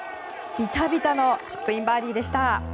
ビタビタのチップインバーディーでした。